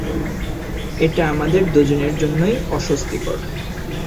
এটা আমাদের দুজনের জন্যই অস্বস্তিকর।